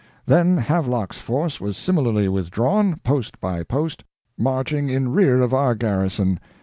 Then Havelock's force was similarly withdrawn, post by post, marching in rear of our garrison.